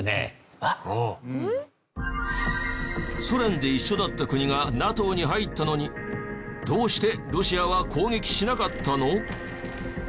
ソ連で一緒だった国がＮＡＴＯに入ったのにどうしてロシアは攻撃しなかったの？